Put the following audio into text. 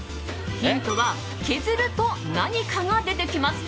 ヒントは削ると何かが出てきます。